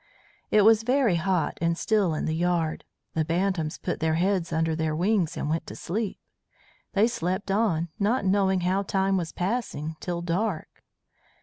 It was very hot and still in the yard. The bantams put their heads under their wings and went to sleep. They slept on, not knowing how time was passing, till dark.